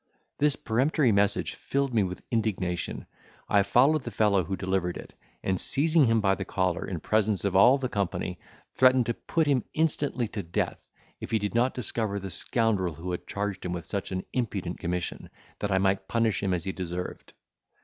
This peremptory message filled me with indignation. I followed the fellow who delivered it, and, seizing him by the collar in presence of all the company, threatened to put him instantly to death, if he did not discover the scoundrel who had charged him with such an impudent commission, that I might punish him as he deserved.